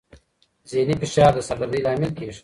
ذهني فشار د سر دردي لامل کېږي.